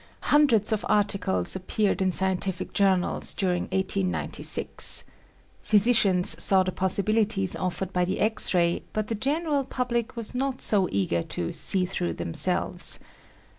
Hundreds of articles appeared in scientific journals during 1896. Physicians saw the possibilities offered by the X ray but the general public was not so eager to "see through themselves."